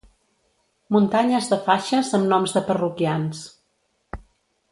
Muntanyes de faixes amb noms de parroquians.